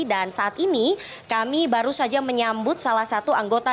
dan saat ini kami baru saja menyambut salah satu anggota